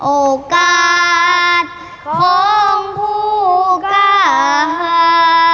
โอกาสของผู้กล้าหา